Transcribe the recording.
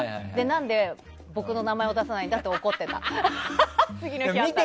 なんで僕の名前を出さないんだと怒っていました。